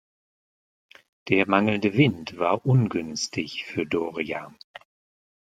Der mangelnde Wind war ungünstig für Doria.